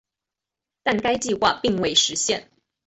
但该计划并未实现。